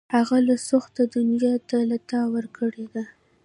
هغه له سوخته دنیا ته لته ورکړې ده